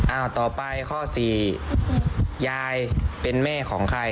อ้าวต่อไปข้อ๔ยายเป็นแม่ของใคร